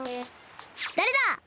だれだ！？